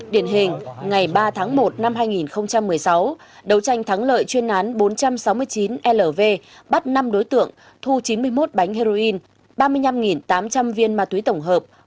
điển hình ngày ba tháng một năm hai nghìn một mươi sáu đấu tranh thắng lợi chuyên án bốn trăm sáu mươi chín lv bắt năm đối tượng thu chín mươi một bánh heroin ba mươi năm tám trăm linh viên ma túy tổng hợp